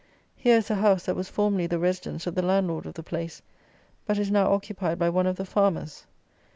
Here is a house, that was formerly the residence of the landlord of the place, but is now occupied by one of the farmers.